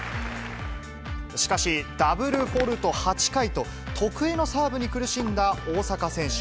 しかし、ダブルフォルト８回と、得意のサーブに苦しんだ大坂選手。